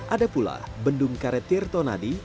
ada pula bendung karet tirtonadi